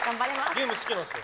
ゲーム好きなんですか？